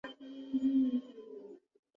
তুই রাস্তায় নেমে যাবি।